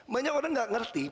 banyak orang tidak mengerti